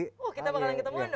oh kita bakalan ketemuin dong